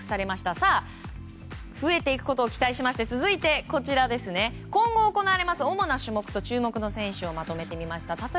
さあ、増えていくことを期待しまして続いて今後行われる主な種目と注目選手をまとめてみました。